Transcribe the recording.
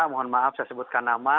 mohon maaf saya sebutkan nama